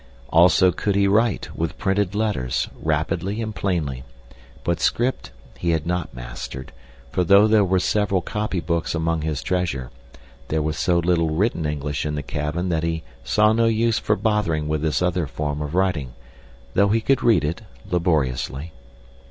Also could he write, with printed letters, rapidly and plainly, but script he had not mastered, for though there were several copy books among his treasure, there was so little written English in the cabin that he saw no use for bothering with this other form of writing, though he could read it, laboriously.